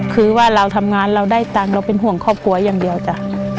คือว่าเราทำงานเราได้ตังค์เราเป็นห่วงครอบครัวอย่างเดียวจ้ะ